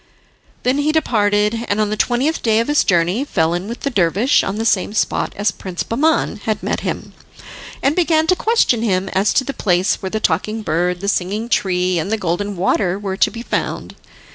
Then he departed, and on the twentieth day of his journey fell in with the dervish on the same spot as Prince Bahman had met him, and began to question him as to the place where the Talking Bird, the Singing Tree and the Golden Water were to be found.